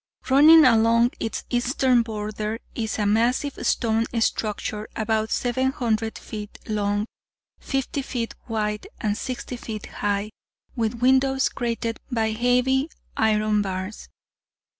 Running along its eastern border is a massive stone structure, about seven hundred feet long, fifty feet wide, and sixty feet high, with windows crated by heavy, iron bars.